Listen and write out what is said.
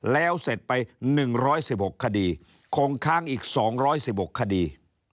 แล้วเสร็จไปหนึ่งร้อยสิบหกคดีคงค้างอีกสองร้อยสิบหกคดี